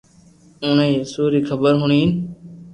اوڻي يسوع ري خبر ھوڻين